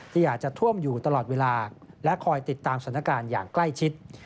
ที่อาจจะท่วมอยู่ตลอดเวลาและคอยติดตามสถานการณ์อย่างใกล้ชิด